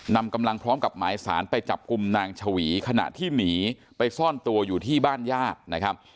นำกำลังพร้อมกับหมายสารไปจับกลุ่มนางชวีขณะที่หนีไปซ่อนตัวอยู่ที่บ้านญาตินะครับ